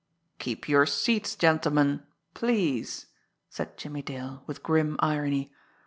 "Keep your seats, gentlemen please!" said Jimmie Dale, with grim irony.